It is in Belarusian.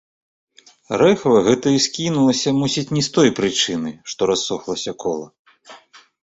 Рэхва гэта і скінулася, мусіць, не з той прычыны, што рассохлася кола.